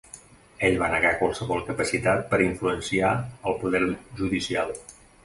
Ell va negar qualsevol capacitat per influenciar el poder judicial.